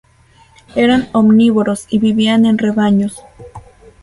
Eran omnívoros y vivían en rebaños.